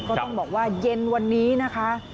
ก็ต้องบอกว่าเย็นวันนี้นะคะ